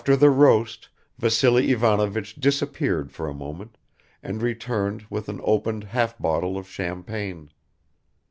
After the roast Vassily Ivanovich disappeared for a moment and returned with an opened half bottle of champagne.